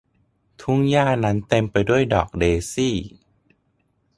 ทุ่งหญ้านั้นเต็มไปด้วยดอกเดซี่